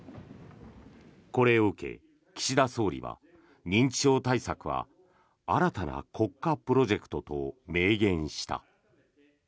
これを受け、岸田総理は認知症対策は新たな国家プロジェクトと明言した。